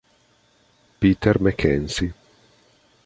Peter Mackenzie